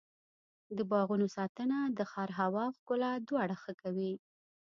د باغونو ساتنه د ښار هوا او ښکلا دواړه ښه کوي.